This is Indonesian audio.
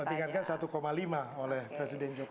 ditingkatkan satu lima oleh presiden jokowi